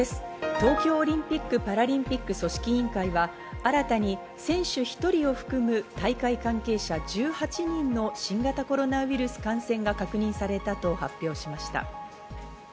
東京オリンピック・パラリンピック組織委員会は新たに選手１人を含む大会関係者１８人の新型コロナウイルス感染が確認されたと発表しました。